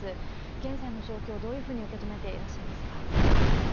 現在の状況、どういうふうに受け止めていらっしゃいますか？